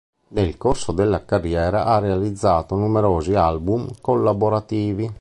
Nel corso della carriera ha realizzato numerosi album collaborativi.